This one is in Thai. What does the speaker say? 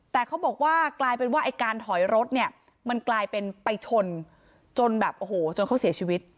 แต่เขาบอกว่ากลายเป็นว่าไอ้การถอยรถเนี่ยมันกลายเป็นไปชนจนแบบโอ้โหจนเขาเสียชีวิต